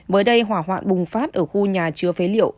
mới đây hỏa hoạn bùng phát ở khu nhà chứa phế liệu